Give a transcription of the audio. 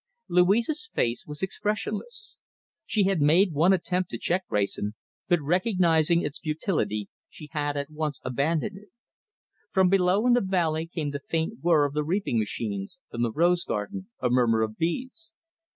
Louise's face was expressionless. She had made one attempt to check Wrayson, but recognizing its futility she had at once abandoned it. From below in the valley came the faint whir of the reaping machines, from the rose garden a murmur of bees.